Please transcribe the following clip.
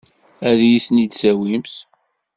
Ad iyi-ten-id-tawimt?